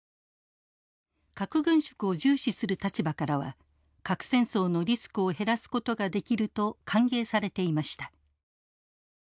核軍縮を重視する立場からは核戦争のリスクを減らすことができると歓迎されていました。